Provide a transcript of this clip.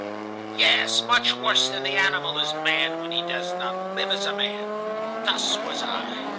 "Yes, much worse than the animal is man when he does not live as a man. Thus was I.